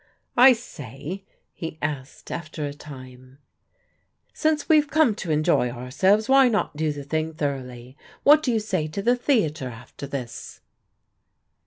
"I say," he asked after a time, "since we've come to enjoy ourselves why not do the thing thoroughly? What do you say to the theatre after this?"